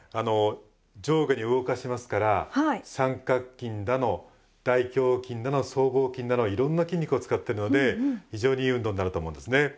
上下に動かしますから三角筋だの大胸筋だの僧帽筋だのいろんな筋肉を使ってるので非常にいい運動になると思うんですね。